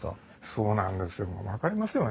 そうなんですよ。